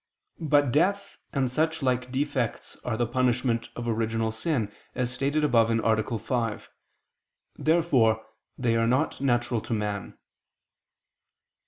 But death and such like defects are the punishment of original sin, as stated above (A. 5). Therefore they are not natural to man.